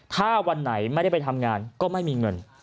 ถ้าวันไหนไม่ได้ไปทำงานก็ไม่มีเงิน